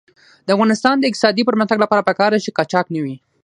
د افغانستان د اقتصادي پرمختګ لپاره پکار ده چې قاچاق نه وي.